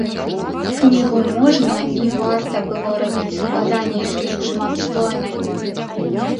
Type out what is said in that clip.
Кнігу можна і варта было рабіць складанейшай, шматслойнай.